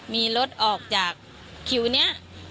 มีรถออกจากคิวนี้